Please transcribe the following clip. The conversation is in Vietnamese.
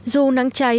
dù nắng cháy